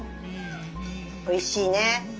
おいしいね。